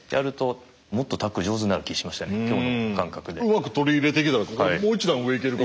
うまく取り入れていけたらもう一段上いけるかも。